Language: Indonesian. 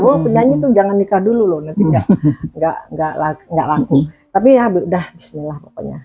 oh penyanyi tuh jangan nikah dulu loh nantinya nggak laku tapi ya udah bismillah pokoknya